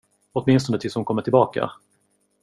Åtminstone tills hon kommer tillbaka.